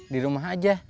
di rumah aja